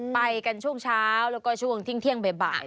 ไปกันช่วงเช้าแล้วก็ช่วงทิ้งเที่ยงบ่าย